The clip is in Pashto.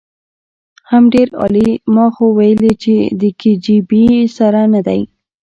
حم ډېر عالي ما خو ويلې چې د کي جي بي سره ندی.